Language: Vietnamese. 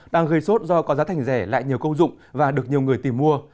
đang gây sốt do có giá thành rẻ lại nhiều công dụng và được nhiều người tìm mua